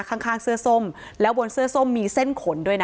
ข้างข้างเสื้อส้มแล้วบนเสื้อส้มมีเส้นขนด้วยนะ